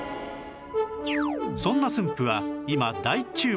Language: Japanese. そんな駿府は今大注目！